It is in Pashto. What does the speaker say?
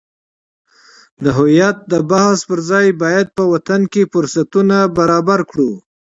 د هویت د بحث پرځای باید په وطن کې فرصتونه برابر کړو.